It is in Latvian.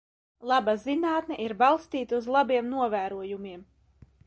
Laba zinātne ir balstīta uz labiem novērojumiem.